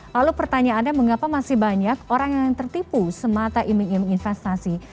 lalu pertanyaannya mengapa masih banyak orang yang tertipu semata iming iming investasi